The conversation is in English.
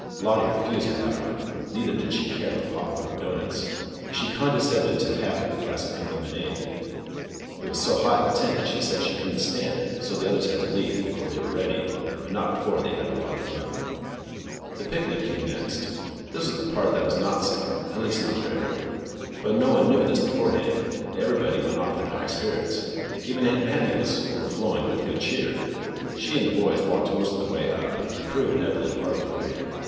Lottie refused to have one, neither did she care for popcorn or doughnuts, but she condescended to have a glass of pink lemonade. It was so hot in the tent that she said she could n't stand it, so the others had to leave before they were ready, but not before they had had a lot of fun. The picnic came next. This was the part that was not safe, at least not for every one. But no one knew this beforehand, and everybody went off in high spirits. Even Aunt Mattie was overflowing with good cheer. She and the boys walked most of the way up, and Prue and Evelyn part of the way.